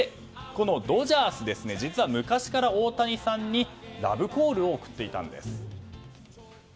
ドジャースですね、実は昔から大谷さんにラブコールを送っていたんです。